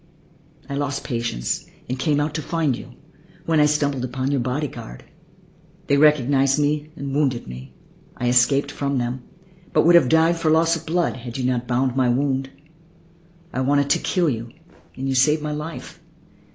I lost patience and came out to find you, when I stumbled upon your body guard. They recognized me and wounded me. I escaped from them, but would have died from loss of blood had you not bound my wound. I wanted to kill you and you saved my life.